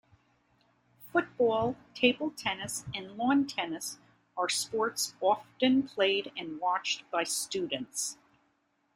Football, table tennis and lawn tennis are sports often played and watched by students.